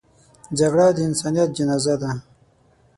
جګړه د انسانیت جنازه ده